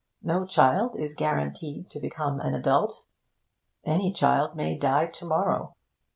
No child is guaranteed to become an adult. Any child may die to morrow.